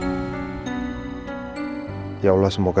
biar nanti nanti nanti akan orang yang mengurusnya